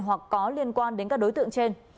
hoặc có liên quan đến các đối tượng trên